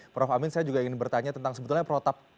prof amin saya juga ingin bertanya tentang sebetulnya protap